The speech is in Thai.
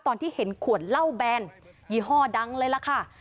ตอนที่เห็นขวดเหล้าแบนยี่ห้อดังเลยล่ะค่ะ